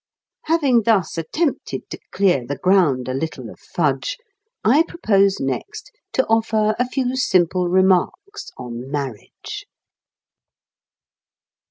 Having thus attempted to clear the ground a little of fudge, I propose next to offer a few simple remarks on marriage.